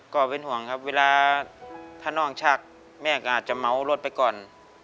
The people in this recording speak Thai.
ก็เป็นห่วงครับเวลาถ้าน้องชักแม่ก็อาจจะเมารถไปก่อน